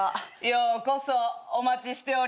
ようこそお待ちしておりました。